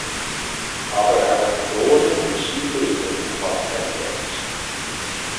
Aber auch Personen und Stillleben umfasst sein Werk.